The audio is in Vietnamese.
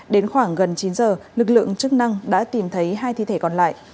đến khoảng gần chín giờ lực lượng chức năng đã tìm thấy hai thi thể còn lại